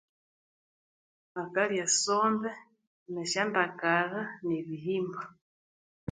Akalya esombe ne syondakala ne bihimba